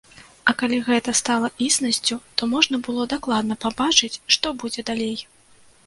А калі гэта стала існасцю, то можна было дакладна пабачыць што будзе далей.